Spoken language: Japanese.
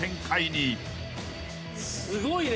すごいね。